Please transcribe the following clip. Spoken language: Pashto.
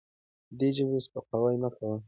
د دې ژبې سپکاوی مه کوئ.